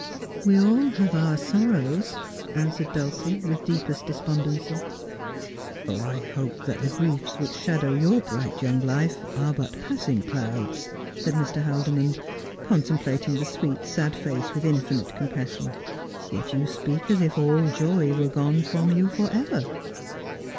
' We all have our sorrows/ answered Dulcie, with deepest despondency. ' I hope that the griefs which shadow your bright young life are but passing clouds,' said Mr. Haldimond, contemplating the sweet, sad face with infinite compassion. ' Yet you speak as if all joy were gone from you for ever.'